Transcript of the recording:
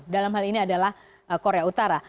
dalam hal ini adalah korea utara